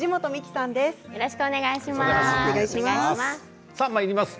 よろしくお願いします。